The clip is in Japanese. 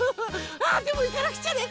あでもいかなくちゃね。